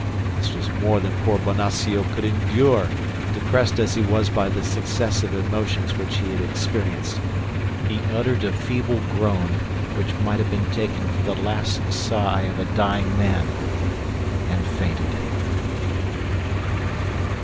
This was more than poor Bonacieux could endure, depressed as he was by the successive emotions which he had experienced; he uttered a feeble groan which might have been taken for the last sigh of a dying man, and fainted.